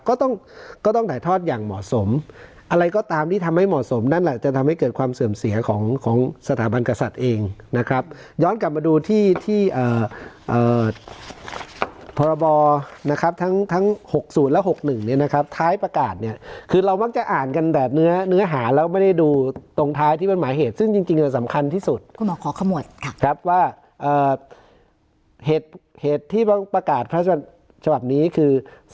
ก็ต้องก็ต้องถ่ายทอดอย่างเหมาะสมอะไรก็ตามที่ทำให้เหมาะสมนั่นแหละจะทำให้เกิดความเสื่อมเสียของของสถาบันกษัตริย์เองนะครับย้อนกลับมาดูที่ที่เอ่อเอ่อพบนะครับทั้งทั้งหกศูนย์และหกหนึ่งเนี่ยนะครับท้ายประกาศเนี่ยคือเรามักจะอ่านกันแต่เนื้อเนื้อหาแล้วก็ไม่ได้ดูตรงท้ายที่เป็นหมายเห